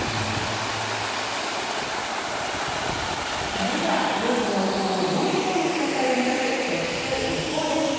続いては、ニュースの一報をもう一方の視点から読み解く、特集ＩＰＰＯＵです。